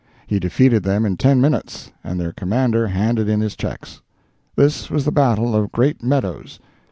He defeated them in ten minutes, and their commander handed in his checks. This was the battle of Great Meadows.